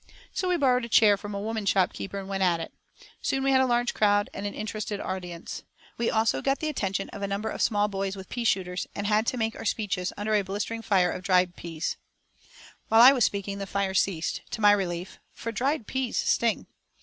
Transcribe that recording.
So we borrowed a chair from a woman shopkeeper, and went at it. Soon we had a large crowd and an interested audience. We also got the attention of a number of small boys with pea shooters, and had to make our speeches under a blistering fire of dried peas. While I was speaking the fire ceased, to my relief for dried peas sting.